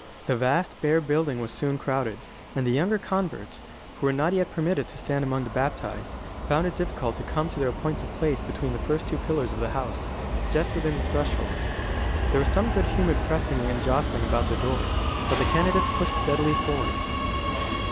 The vast, bare building was soon crowded, and the younger converts, who were not yet permitted to stand among the baptised, found it difficult to come to their appointed place between the first two pillars of the house, just within the threshold. There was some good humoured pressing and jostling about the door; but the candidates pushed steadily forward.